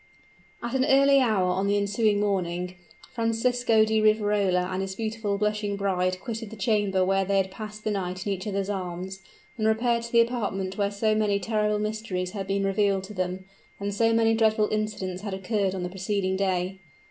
At an early hour on the ensuing morning, Francisco di Riverola and his beautiful, blushing bride quitted the chamber where they had passed the night in each other's arms, and repaired to the apartment where so many terrible mysteries had been revealed to them, and so many dreadful incidents had occurred on the preceding day.